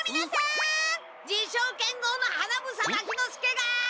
自称剣豪の花房牧之介が！